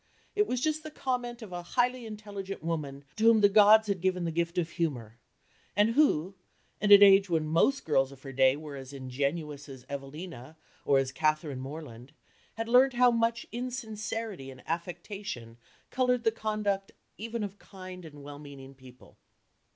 It was just the comment of a highly intelligent woman to whom the gods had given the gift of humour, and who, at an age when most girls of her day were as ingenuous as Evelina or as Catherine Morland, had learnt how much insincerity and affectation coloured the conduct even of kind and well meaning people.